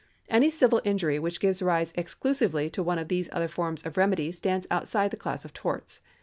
Any civil injury which gives rise exclusively to one of these other forms of remedy stands outside the class of torts.